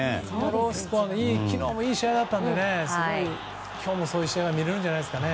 ロースコアで昨日もいい試合だったので今日もそういう試合が見れるんじゃないんですかね。